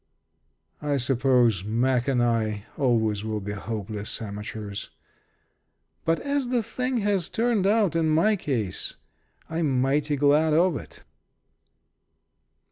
I suppose Mack and I always will be hopeless amateurs. But, as the thing has turned out in my case, I'm mighty glad of it.